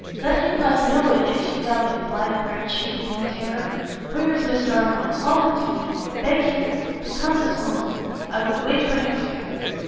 "Let him not know it if you value his life!" cried she, with new terror. "Where is Mr Arnott? call him to me, beg him to come this moment; I will wait for him here."